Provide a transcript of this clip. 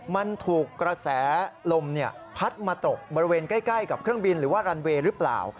มันถูกกระแสลมพัดมาตกบริเวณใกล้กับเครื่องบินหรือว่ารันเวย์หรือเปล่า